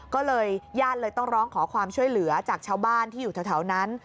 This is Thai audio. ก็เลยญาติเลยต้องร้องขอความช่วยเหลือจากชาวบ้านที่อยู่แถวนั้น